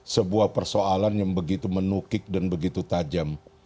sebuah persoalan yang begitu menukik dan begitu tajam